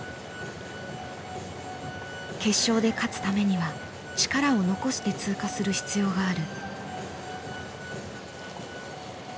決勝で勝つためには力を残して通過する必要がある。